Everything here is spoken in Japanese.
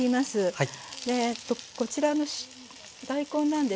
はい。